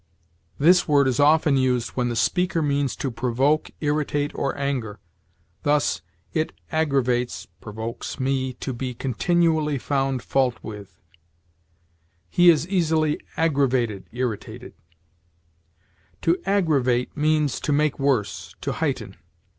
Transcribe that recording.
This word is often used when the speaker means to provoke, irritate, or anger. Thus, "It aggravates [provokes] me to be continually found fault with"; "He is easily aggravated [irritated]." To aggravate means to make worse, to heighten.